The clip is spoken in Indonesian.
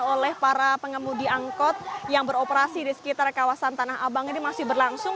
oleh para pengemudi angkot yang beroperasi di sekitar kawasan tanah abang ini masih berlangsung